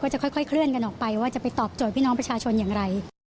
จะค่อยเคลื่อนกันออกไปว่าจะไปตอบโจทย์พี่น้องประชาชนอย่างไร